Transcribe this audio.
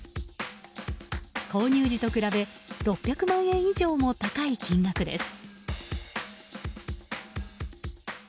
購入時と比べ６００万円以上も高い金額です。